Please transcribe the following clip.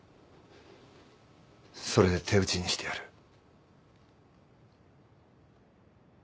それで手打ちにしてやる。